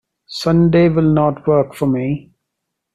Sunday will not work for me.